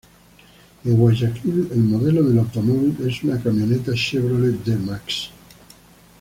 En Guayaquil, el modelo del automóvil es una camioneta Chevrolet D-Max.